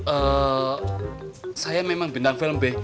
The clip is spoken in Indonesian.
eh saya memang bintang film b